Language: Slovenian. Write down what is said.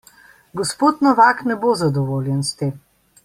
Gospod Novak ne bo zadovoljen s tem.